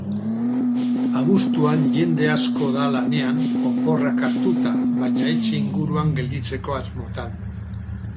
Abuztuan jende asko da lanean oporrak hartuta baina etxe inguruan gelditzeko asmotan.